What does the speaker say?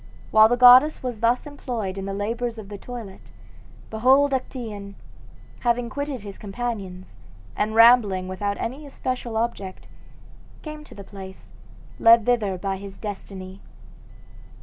While the goddess was thus employed in the labors of the toilet, behold Actaeon, having quitted his companions, and rambling without any especial object, came to the place, led thither by his destiny.